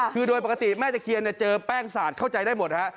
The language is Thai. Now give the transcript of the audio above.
คือโดยปกติแม่ตะเคียนเจอแป้งสาดเข้าใจได้หมดฮะ